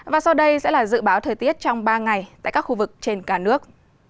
và sau đây sẽ là dự báo thời tiết trong ba ngày tại các khu vực trên cả nước